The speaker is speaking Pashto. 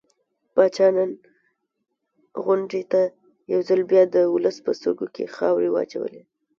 پاچا نن غونډې ته يو ځل بيا د ولس په سترګو کې خاورې واچولې.